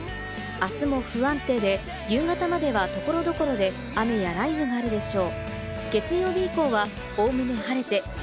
あすも不安定で、夕方までは所々で雨や雷雨があるでしょう。